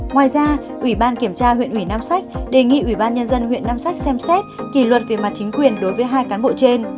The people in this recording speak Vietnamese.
ngoài ra ủy ban kiểm tra huyện ủy nam sách đề nghị ủy ban nhân dân huyện nam sách xem xét kỷ luật về mặt chính quyền đối với hai cán bộ trên